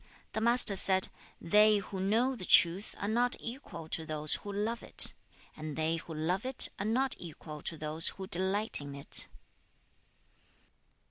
The Master said, 'They who know the truth are not equal to those who love it, and they who love it are not equal to those who delight in it.'